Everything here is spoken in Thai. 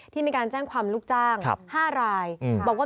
ที่มีการแจ้งความลูกจ้าง๕ลาย